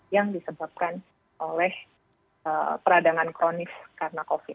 yang disebabkan oleh peradangan kronis karena covid sembilan belas